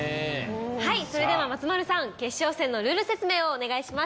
はいそれでは松丸さん決勝戦のルール説明をお願いします。